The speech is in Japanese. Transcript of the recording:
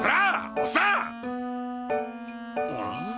おっさん！！